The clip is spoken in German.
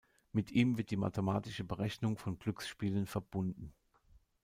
Mit ihm wird die mathematische Berechnung von Glücksspielen verbunden.